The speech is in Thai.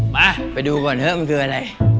มาดูก่อนเถอะมันคืออะไร